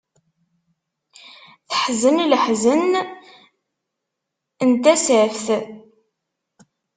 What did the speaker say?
Teḥzen leḥzen n tasaft.